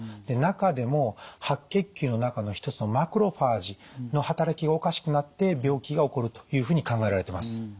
で中でも白血球の中の一つのマクロファージの働きがおかしくなって病気が起こるというふうに考えられてます。